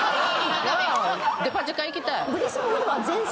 デパ地下行きたい。